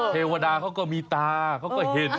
เทวดาเขาก็มีตาเขาก็เห็น